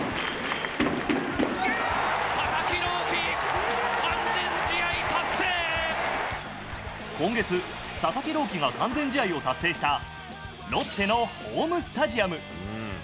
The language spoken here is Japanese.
佐々木朗希、今月、佐々木朗希が完全試合を達成したロッテのホームスタジアム。